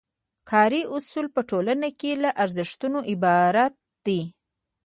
کاري اصول په ټولنه کې له ارزښتونو عبارت دي.